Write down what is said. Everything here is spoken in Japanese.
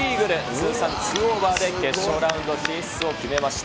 通算２オーバーで決勝進出を決めました。